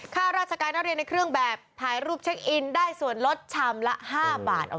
ค่าราชการนักเรียนในเครื่องแบบถ่ายรูปเช็คอินได้ส่วนลดชามละ๕บาท